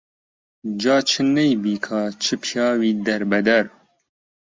جا چ نەی بیکا چ پیاوی دەربەدەر